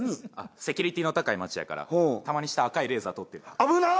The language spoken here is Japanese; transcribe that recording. セキュリティーの高い街やからたまに下赤いレーザー通ってる危なっ！